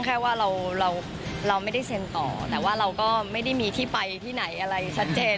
แค่ว่าเราเราไม่ได้เซ็นต่อแต่ว่าเราก็ไม่ได้มีที่ไปที่ไหนอะไรชัดเจน